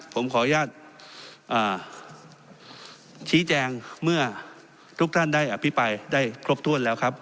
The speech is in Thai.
ผมขออนุญาตชี้แจงเมื่อทุกท่านได้อภิปรายได้ครบถ้วนแล้วครับ